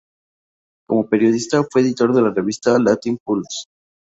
Como periodista, fue editor de la revista "Latin Pulse!